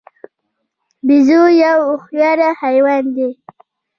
بیزو یو هوښیار حیوان دی.